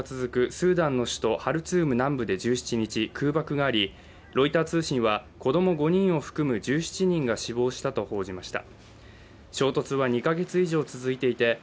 スーダンの首都ハルツーム南部で１７日、空爆があり、ロイター通信は子供５人を含む１７人が死亡したと報じました。